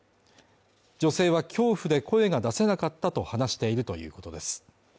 女性は恐怖で声が出せなかったと話しているということです。